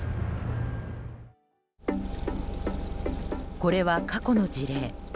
これは過去の事例。